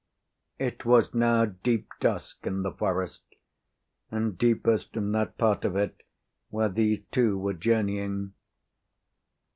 It was now deep dusk in the forest, and deepest in that part of it where these two were journeying.